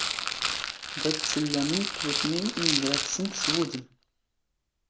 ⴷⴰ ⵜⵜⵙⵍⵍⴰⵎⵏⵜ ⵜⵡⵜⵎⵉⵏ ⵉⵏⴳⵔⴰⵙⵏⵜ ⵙ ⵡⵓⴷⵎ.